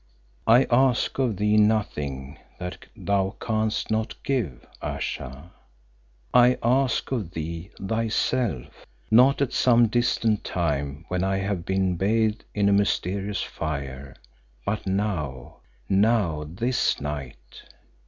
"I ask of thee nothing that thou canst not give. Ayesha, I ask of thee thyself not at some distant time when I have been bathed in a mysterious fire, but now, now this night."